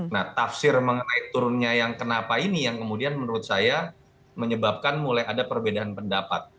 nah tafsir mengenai turunnya yang kenapa ini yang kemudian menurut saya menyebabkan mulai ada perbedaan pendapat